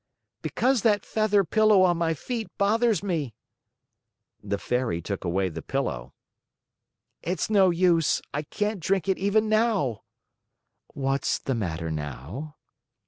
"Because that feather pillow on my feet bothers me." The Fairy took away the pillow. "It's no use. I can't drink it even now." "What's the matter now?"